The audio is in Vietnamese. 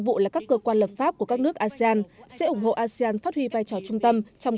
vụ là các cơ quan lập pháp của các nước asean sẽ ủng hộ asean phát huy vai trò trung tâm trong